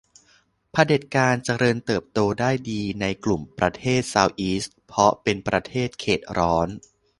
เผด็จการเจริญเติบโตได้ดีในกลุ่มประเทศเซาท์อีสต์เพราะเป็นประเทศเขตร้อน